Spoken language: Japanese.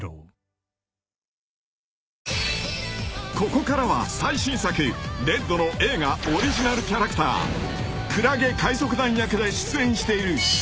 ［ここからは最新作『ＲＥＤ』の映画オリジナルキャラクタークラゲ海賊団役で出演している山田裕貴さん